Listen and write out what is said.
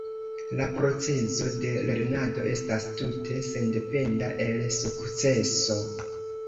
La procezo de lernado estas tute sendependa el sukceso.